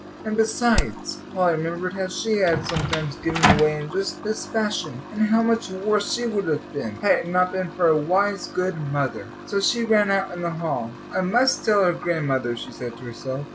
And besides, Polly remembered how she had sometimes given way in just this fashion, and how much worse she would have been, had it not been for a wise, good mother. So she ran out in the hall. "I must tell her grandmother," she said to herself.